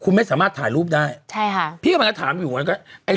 คุณไม่สามารถถ่ายรูปได้ใช่ค่ะพี่กำลังจะถามอยู่เหมือนกันไอ้